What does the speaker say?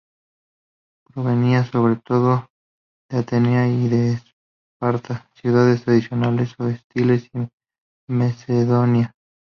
Provenían sobre todo de Atenas y de Esparta, ciudades tradicionalmente hostiles a Macedonia.